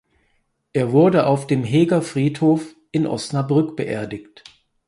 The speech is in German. Er wurde auf dem Heger Friedhof in Osnabrück beerdigt.